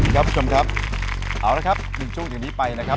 ครับผู้ชมครับเอาละครับ๑ช่วงอย่างนี้ไปนะครับ